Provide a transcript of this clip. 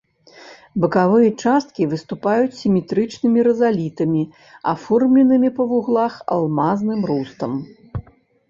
Бакавыя часткі выступаюць сіметрычнымі рызалітамі, аформленымі па вуглах алмазным рустам.